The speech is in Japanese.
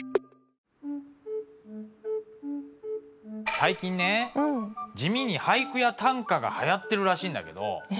最近ね地味に俳句や短歌が流行ってるらしいんだけど。え！？